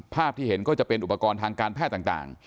ภาพที่เห็นก็จะเป็นอุปกรณ์ทางการแพทย์ต่าง